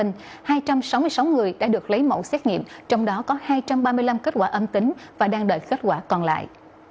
hai trăm sáu mươi sáu người đã được lấy mẫu xét nghiệm trong đó có hai trăm ba mươi năm kết quả âm tính và đang đợi kết quả còn lại